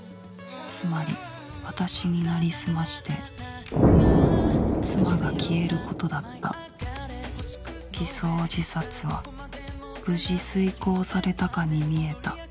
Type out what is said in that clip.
つまり私になりすまして妻が消えることだった偽装自殺は無事遂行されたかに見えた。